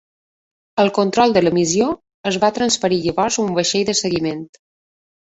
El control de la missió es va transferir llavors a un vaixell de seguiment.